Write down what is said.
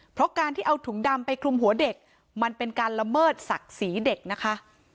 เพราะการที่เอาถุงดำไปคลุมหัวเด็กมันเป็นการละเมิดศักดิ์ศรีเด็กนะคะ